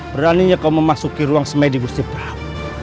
beraninya kau memasuki ruang semai di kursi prap